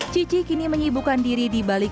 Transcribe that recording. cici kini menyibukan diri di bandung